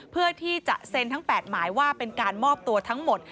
เพื่อที่จะเซ็นทั้ง๘หมายว่าเป็นการมอบตัวทั้งหมด